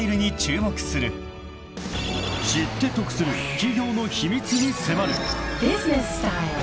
［知って得する企業の秘密に迫る］